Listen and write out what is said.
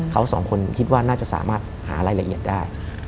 เขาสองคนคิดว่าน่าจะสามารถหารายละเอียดได้